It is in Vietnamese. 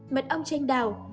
mật ong chanh đào